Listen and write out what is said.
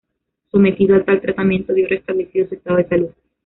Sometido a tal tratamiento, vio restablecido su estado de salud.